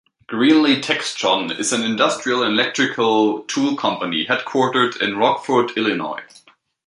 Greenlee Textron is an industrial and electrical tool company headquartered in Rockford, Illinois.